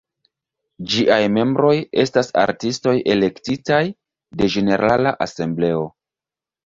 Ĝiaj membroj estas artistoj elektitaj de ĝenerala asembleo.